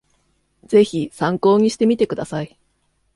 ぜひ参考にしてみてください